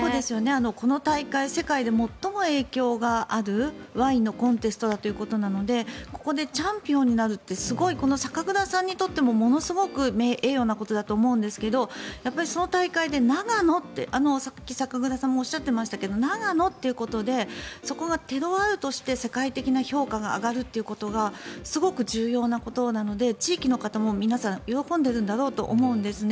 この大会世界で最も影響があるワインのコンテストだということなのでここでチャンピオンになるってこの酒蔵さんにとってもものすごく名誉なことだと思うんですがその大会で長野ってさっき酒蔵さんもおっしゃっていましたが長野っていうことで、世界的に評価が上がるということですごく重要なことなので地域の方も皆さん喜んでいるんだろうと思うんですよね。